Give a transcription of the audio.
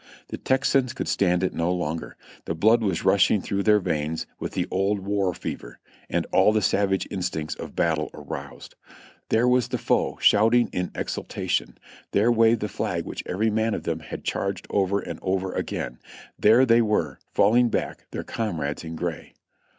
The Texans could stand it no longer; the blood was rushing through their veins with the old war fever, with all the savage instincts of battle aroused. There was the foe, shouting in ex ultation ; there waved the flag which every man of them had charged over and over again ; there they were, falling back, their comrades in gray.